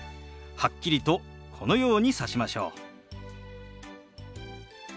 はっきりとこのようにさしましょう。